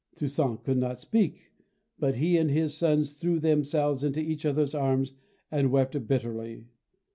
Toussaint could not speak, but he and his sons threw them selves into each other's arms and wept bitterly.